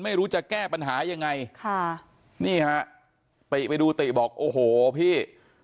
ไม่รู้จะแก้ปัญหายังไงค่ะนี่ฮะติไปดูติบอกโอ้โหพี่